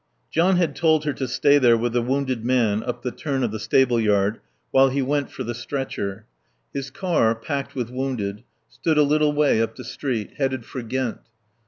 John had told her to stay there with the wounded man up the turn of the stable yard while he went for the stretcher. His car, packed with wounded, stood a little way up the street, headed for Ghent.